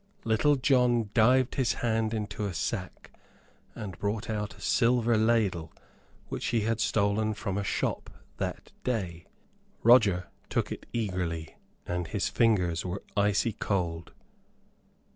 Little John dived his hand into a sack, and brought out a silver ladle, which he had stolen from a shop that day. Roger took it eagerly, and his fingers were icy cold.